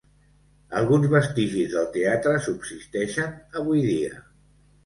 Alguns vestigis del teatre subsisteixen avui dia.